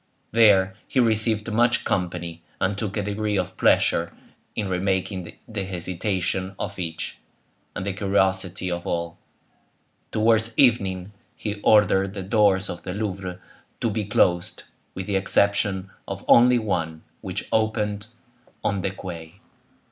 There he received much company, and took a degree of pleasure in remarking the hesitation of each, and the curiosity of all. Towards evening he ordered the doors of the Louvre to be closed, with the exception of only one, which opened on the quay.